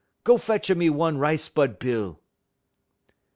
Go fetch a me one rice bud bill.'